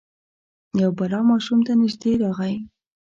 یو بلا ماشوم ته نژدې راغی.